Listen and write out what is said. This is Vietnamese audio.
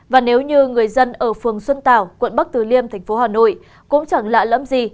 và nếu như người dân ở phường xuân tảo quận bắc từ liêm tp hcm cũng chẳng lạ lẫm gì